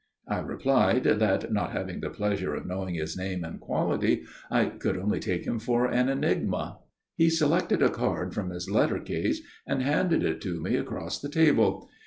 I replied that, not having the pleasure of knowing his name and quality, I could only take him for an enigma. He selected a card from his letter case and handed it to me across the table.